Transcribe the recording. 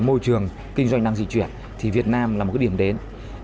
môi trường kinh doanh đang di chuyển thì việt nam là một cái điểm đến